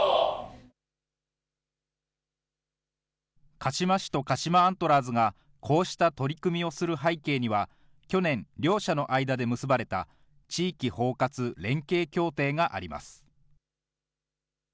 鹿嶋市と鹿島アントラーズがこうした取り組みをする背景には、去年、両者の間で結ばれた、地域包括連携協定があります。